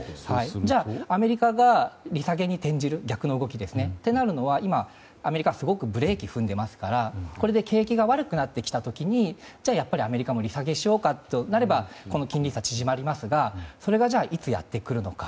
じゃあアメリカが利下げに転じる逆の動きとなるのはアメリカはすごくブレーキを踏んでますからこれで景気が悪くなってきた時にじゃあアメリカも利下げしようかとなれば金利差も縮まりますがそれが、いつやってくるのか。